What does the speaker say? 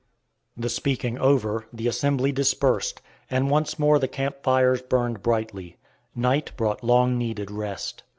The speaking over, the assembly dispersed, and once more the camp fires burned brightly. Night brought long needed rest.